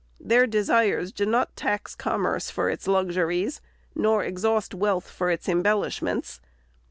Their desires do not tax com merce for its luxuries, nor exhaust wealth for its embel lishments.